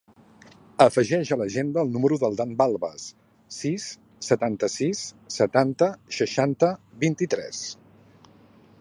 Afegeix a l'agenda el número del Dan Balbas: sis, setanta-sis, setanta, seixanta, vint-i-tres.